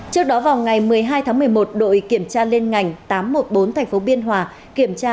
trước đó vào ngày một mươi hai tháng một mươi một đội kiểm tra liên ngành tám trăm một mươi bốn tp biên hòa kiểm tra